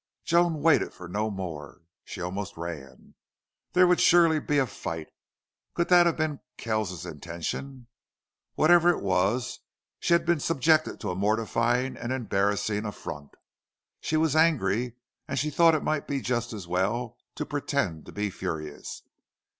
Joan waited for no more. She almost ran. There would surely be a fight. Could that have been Kells's intention? Whatever it was, she had been subjected to a mortifying and embarrassing affront. She was angry, and she thought it might be just as well to pretend to be furious.